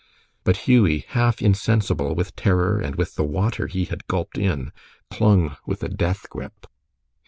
But Hughie, half insensible with terror and with the water he had gulped in, clung with a death grip.